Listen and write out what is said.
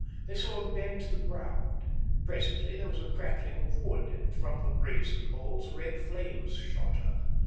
They saw him bend to the ground. Presently there was a crackling of wood, and from the brazen bowls red flames shot up.